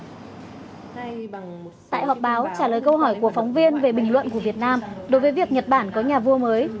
tại họp báo trả lời câu hỏi của phóng viên về bình luận của việt nam đối với việc nhật bản có nhà vua mới